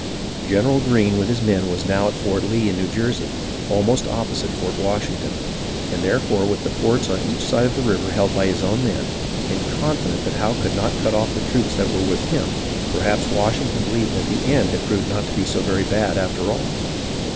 General Greene with his men was now at Fort Lee in New Jersey, almost opposite Fort Washington ; and therefore, with the forts on each side of the river held by his own men, and confident that Howe could not cut off the troops that were with him, perhaps Washington believed that the end had proved not to be so very bad after all.